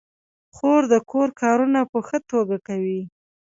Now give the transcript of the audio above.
خور د کور کارونه په ښه توګه کوي.